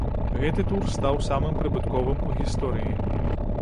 Гэты тур стаў самым прыбытковым у гісторыі.